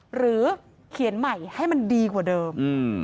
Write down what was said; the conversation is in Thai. หรือเขียนใหม่ให้มันดีกว่าเดิม